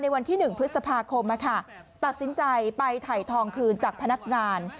วันที่๑พฤษภาคมตัดสินใจไปถ่ายทองคืนจากพนักงาน